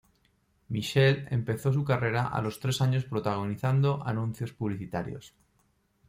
Michelle empezó su carrera a los tres años protagonizando anuncios publicitarios.